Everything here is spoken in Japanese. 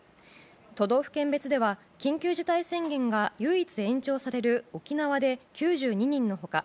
都道府県別では緊急事態宣言が唯一延長される沖縄で９２人の他